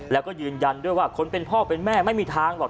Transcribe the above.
แล้วก็ยืนยันด้วยว่าคนเป็นพ่อเป็นแม่ไม่มีทางหรอก